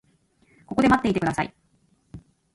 ここで待っていてください。